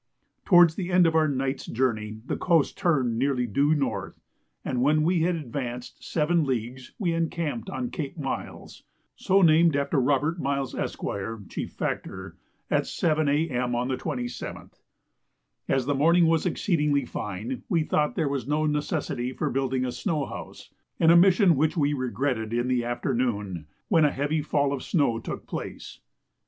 Towards the end of our night's journey the coast turned nearly due north, and when we had advanced seven leagues we encamped on Cape Miles, so named after Robert Miles, Esq., Chief Factor, at 7 A.M. on the 27th. As the morning was exceedingly fine, we thought there was no necessity for building a snow house, an omission which we regretted in the afternoon, when a heavy fall of snow took place.